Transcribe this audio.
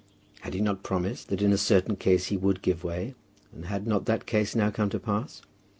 Had he not promised that in a certain case he would give way, and had not that case now come to pass?